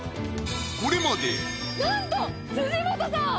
これまでなんと辻元さん！